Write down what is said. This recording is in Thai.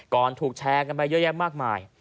ถูกแชร์กันไปเยอะแยะมากมาย